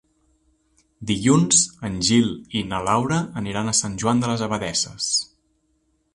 Dilluns en Gil i na Laura aniran a Sant Joan de les Abadesses.